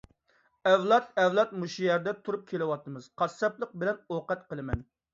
ئەۋلاد - ئەۋلادتىن مۇشۇ يەردە تۇرۇپ كېلىۋاتىمىز، قاسساپلىق بىلەن ئوقەت قىلىمەن.